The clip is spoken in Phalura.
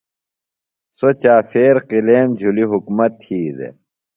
سوۡ چاپھیر قِلیم جُھلیۡ حُکومت تھی دےۡ